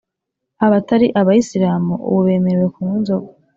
abatari abayisilamu ubu bemerewe kunywa inzoga